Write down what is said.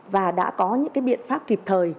và đã có những cái biện pháp kịp thời